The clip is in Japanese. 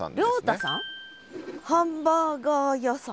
ハンバーガー屋さん？